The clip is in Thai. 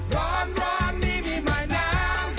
ร้อนนี้มีหมายน้ำ